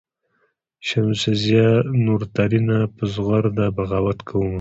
"شمسزیه نور ترېنه په زغرده بغاوت کومه.